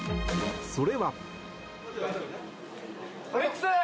それは。